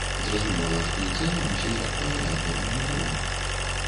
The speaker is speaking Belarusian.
Зразумела, што і цэны мусяць адпавядаць гэтаму ўзроўню.